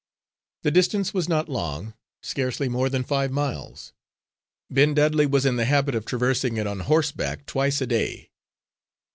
The distance was not long, scarcely more than five miles. Ben Dudley was in the habit of traversing it on horseback, twice a day.